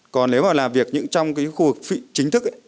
còn nếu mà làm việc trong những khu vực chính thức